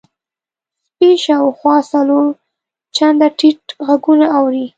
سپی شاوخوا څلور چنده ټیټ غږونه اوري.